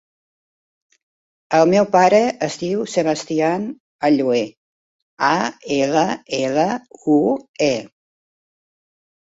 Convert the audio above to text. El meu pare es diu Sebastian Allue: a, ela, ela, u, e.